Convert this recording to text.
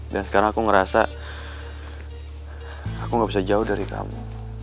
dan sekarang aku ngerasa aku gak bisa jauh dari kamu